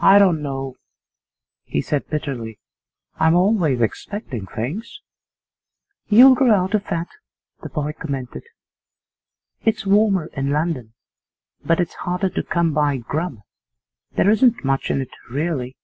'I don't know,' he said bitterly, 'I'm always expecting things.' 'You'll grow out of that,' the boy commented. 'It's warmer in London, but it's harder to come by grub. There isn't much in it really.